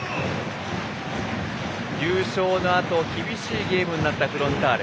優勝のあと厳しいゲームになったフロンターレ。